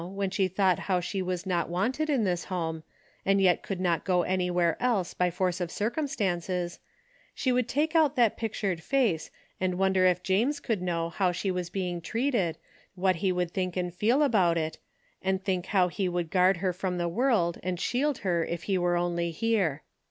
when she thought how she was not wanted in this home, and yet could not go anywhere else by force of cir cumstances, she would take out that pictured face and wonder if James could know how she was being treated what he would think and feel about it, and think how he would guard her from the world and shield her if he were only here.